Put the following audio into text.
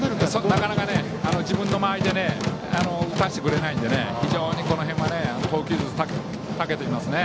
なかなか自分の間合いで打たせてくれないので非常に投球技術にたけてますね。